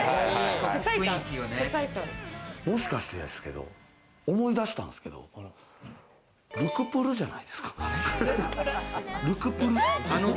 もしかしてですけど、思い出したんですけど、ル・クプルじゃないですか？